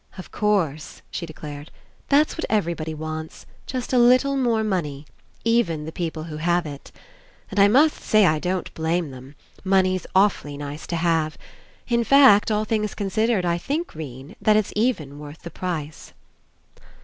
"Of course," she declared, "that's what every body wants, just a little more money, even the people who have it. And I must say I don't blame them. Money's awfully nice to have. In fact, all things considered, I think, 'Rene, that it's even worth the price."